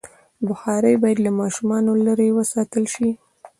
بخاري باید له ماشومانو لرې وساتل شي.